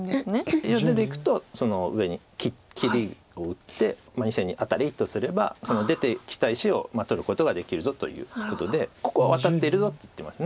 いや出ていくとその上に切りを打って２線にアタリとすれば出てきた石を取ることができるぞということでここはワタってるぞって言ってます。